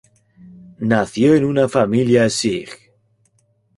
Nació en una familia sij.